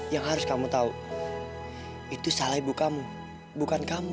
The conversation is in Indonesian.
yang harus kamu tahu itu salah ibu kamu bukan kamu